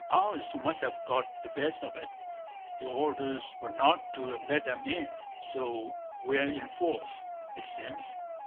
"Ours must have got the best of it. The orders were not to let them in. So we're in force, it seems....